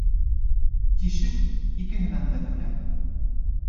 Тишек икеһенән дә көлә.